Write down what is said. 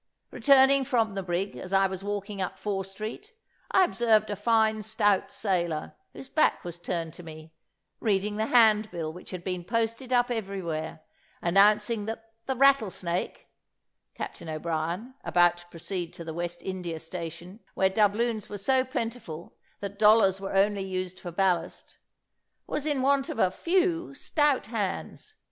Returning from the brig, as I was walking up Fore street, I observed a fine stout sailor, whose back was turned to me, reading the handbill which had been posted up everywhere, announcing that the Rattlesnake, Captain O'Brien (about to proceed to the West India station, where doubloons were so plentiful, that dollars were only used for ballast), was in want of a few stout hands.